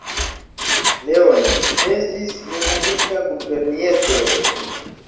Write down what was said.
Leon estis nomumita guberniestro.